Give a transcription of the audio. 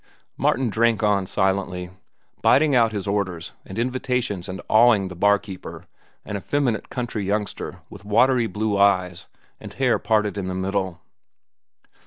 Martin drank on silently, biting out his orders and invitations and awing the barkeeper, an effeminate country youngster with watery blue eyes and hair parted in the middle.